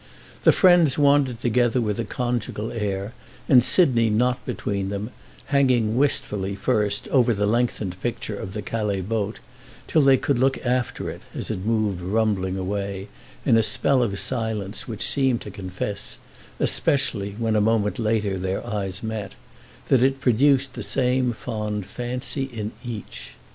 The friends wandered together with a conjugal air and Sidney not between them, hanging wistfully, first, over the lengthened picture of the Calais boat, till they could look after it, as it moved rumbling away, in a spell of silence which seemed to confess—especially when, a moment later, their eyes met—that it produced the same fond fancy in each.